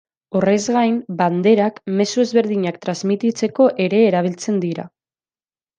Horrez gain, banderak mezu ezberdinak transmititzeko ere erabiltzen dira.